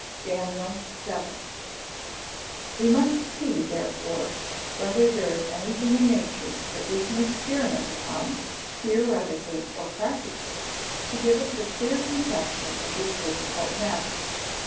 DANIEL VII.] We must see, therefore, whether there is anything in nature that we can experiment upon, theoretically or practically, to give us a clearer conception of this difficult matter.